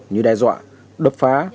như đe dọa đập phá